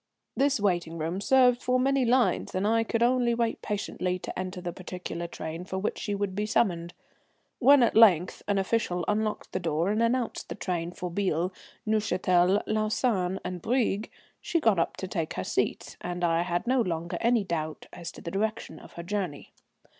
This waiting room served for many lines, and I could only wait patiently to enter the particular train for which she would be summoned. When at length an official unlocked the door and announced the train for Biel, Neuchâtel, Lausanne, and Brieg, she got up to take her seat, and I had no longer any doubt as to the direction of her journey.